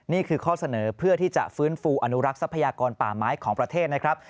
นี่คือข้อเสนอเพื่อที่จะฟื้นฟูอนุรักษ์ทรัพยากรป่าไม้ของประเทศนะครับ